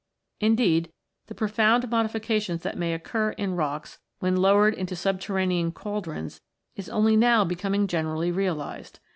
In deed, the profound modifications that may occur in rocks when lowered into subterranean cauldrons is only now becoming generally realised.